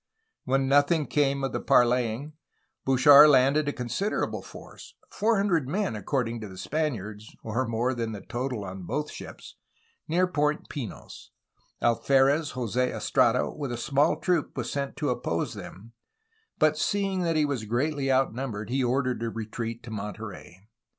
^^ When nothing came of the parleying, Bouchard landed a consider able force — four hundred men according to the Spaniards, or more than the total on both ships! — near Point Pinos. Alferez Jos6 Estrada with a small troop was sent to oppose them, but, seeing that he was greatly outnumbered, he ordered a retreat to Monterey.